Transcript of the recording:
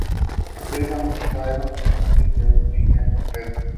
Se usa mucho en cuadernos y manuales de uso intenso pero breve.